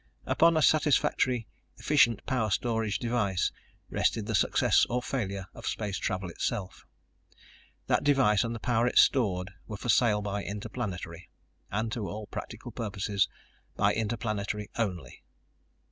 Upon a satisfactory, efficient power storage device rested the success or failure of space travel itself. That device and the power it stored were for sale by Interplanetary ... and, to all practical purposes, by Interplanetary only.